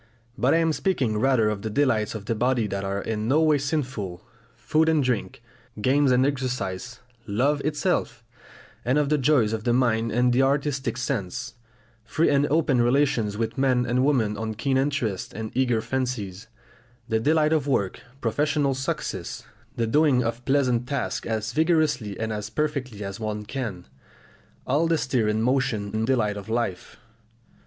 But I am speaking rather of the delights of the body that are in no way sinful, food and drink, games and exercise, love itself; and of the joys of the mind and the artistic sense; free and open relations with men and women of keen interests and eager fancies; the delights of work, professional success, the doing of pleasant tasks as vigorously and as perfectly as one can all the stir and motion and delight of life.